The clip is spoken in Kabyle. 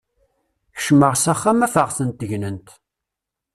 Kecmeɣ s axxam, afeɣ-tent gnent.